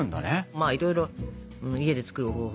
まあいろいろ家で作る方法が。